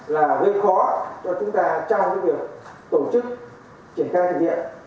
là gây khó cho chúng ta trong việc tổ chức triển khai thực hiện